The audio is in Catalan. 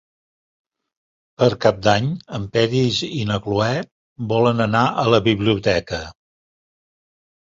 Per Cap d'Any en Peris i na Cloè volen anar a la biblioteca.